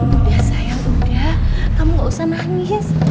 udah sayang udah kamu gak usah nangis